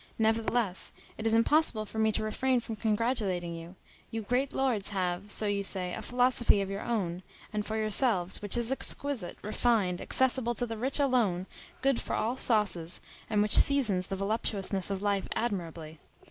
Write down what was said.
Nevertheless, it is impossible for me to refrain from congratulating you. You great lords have, so you say, a philosophy of your own, and for yourselves, which is exquisite, refined, accessible to the rich alone, good for all sauces, and which seasons the voluptuousness of life admirably.